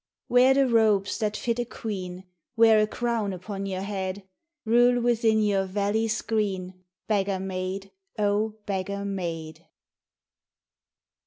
95 96 THE BEGGAR QUEEN Wear the robes that fit a queen, Wear a crown upon your head, Rule within your valleys green, Beggar maid, O beggar maid